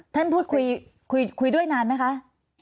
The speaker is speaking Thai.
ท่านพูดคุยคุยด้วยนานไหมคะ